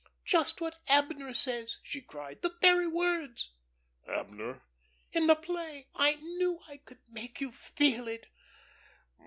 "Just what 'Abner' says," she cried. "The very words." "Abner?" "In the play. I knew I could make you feel it."